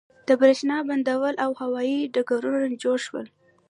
د بریښنا بندونه او هوایی ډګرونه جوړ شول.